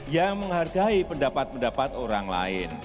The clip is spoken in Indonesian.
yang menghargai pendapat pendapat orang lain